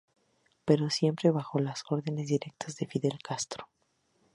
Pero siempre bajo las órdenes directas de Fidel Castro.